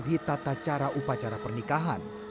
ikut mempengaruhi tata cara upacara pernikahan